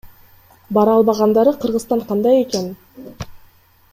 Бара албагандары Кыргызстан кандай экен?